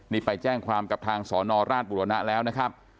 นี่ไปแจ้งความกับทางสนราชบุรณะแล้วนะครับ